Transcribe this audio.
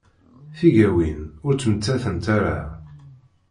Tigawin ur ttmettatent ara.